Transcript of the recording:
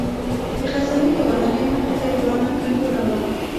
د خزانې د ودانۍ مخې ته ورانه کنډواله وه.